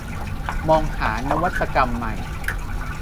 มองหานวัตกรรมใหม่